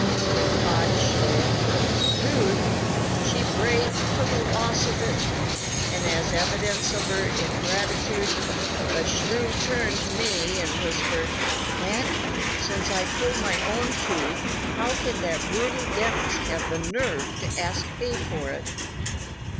When Pod showed her the tooth, she brayed for the loss of it, and as evidence of her ingratitude, the shrew turned to me and whispered: "Mac, since I pulled my own tooth, how can that brutal dentist have the nerve to ask pay for it?"